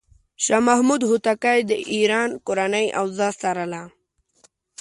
شاه محمود هوتکی د ایران کورنۍ اوضاع څارله.